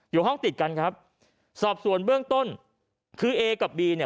อยู่ห้องติดกันครับสอบส่วนเบื้องต้นคือเอกับบีเนี่ย